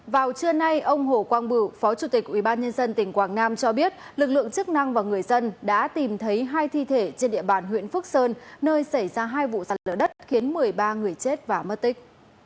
vào trưa nay ông hồ quang bửu phó chủ tịch ubnd tỉnh quảng nam cho biết lực lượng chức năng và người dân đã tìm thấy hai thi thể trên địa bàn huyện phước sơn nơi xảy ra hai vụ sạt lở đất khiến một mươi ba người chết và mất tích